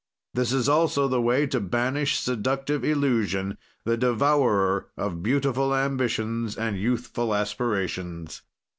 "This is also the way to banish seductive illusion, the devourer of beautiful ambitions and youthful aspirations."